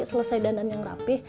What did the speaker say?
selesai dandan yang rapih